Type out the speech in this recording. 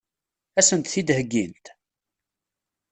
Ad sent-t-id-heggint?